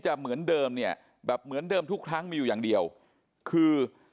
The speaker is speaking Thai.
เหมือนเดิมเนี่ยแบบเหมือนเดิมทุกครั้งมีอยู่อย่างเดียวคือ